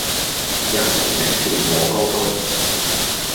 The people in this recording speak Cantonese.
喫人的是我哥哥！